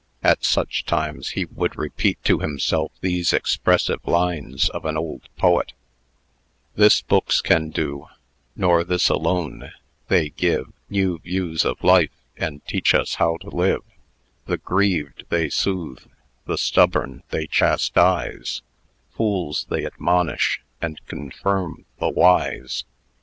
At such, times, he would repeat to himself these expressive lines of an old poet: This books can do; nor this alone; they give New views of life, and teach us how to live; The grieved they soothe, the stubborn they chastise; Fools they admonish, and confirm the wise.